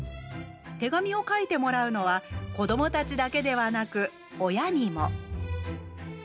手紙を書いてもらうのは子どもたちだけではなく親にも。